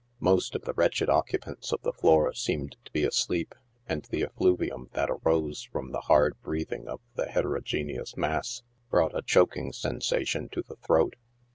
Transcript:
Most of the wretched occupants of the floor seemed to be asleep, and the effluvium that arose from the hard breathing of the hetero geneous mass brought a choking sensation to thethroat.